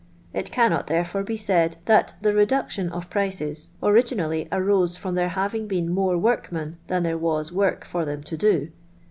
It cannot, therefore, be said that the reduction of prices originally arose from there having been more workmen than there was work for them to do.